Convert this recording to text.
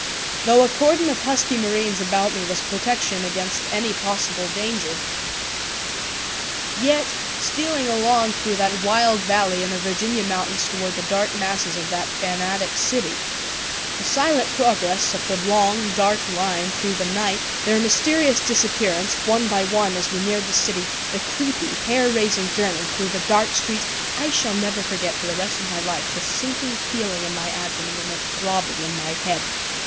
Though a cordon of husky marines about me was a protection against any possible danger, yet, stealing along through that wild valley in the Virginia mountains toward the dark masses of that fanatic city, the silent progress of the long, dark line through the night, their mysterious disappearance, one by one, as we neared the city, the creepy, hair raising journey through the dark streets I shall never forget for the rest of my life the sinking feeling in my abdomen and the throbbing in my head.